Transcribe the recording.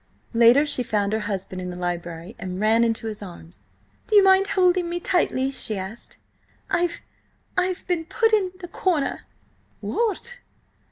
Later, she found her husband in the library, and ran into his arms. "Do you mind holding me tightly?" she asked. "I've–I've been put in the corner!" "What?"